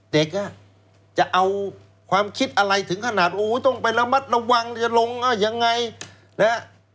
เด็กจะเอาความคิดอะไรถึงขนาดต้องไประมัดระวังจะลงอย่างไร